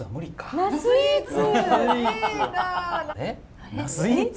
ナスイーツ？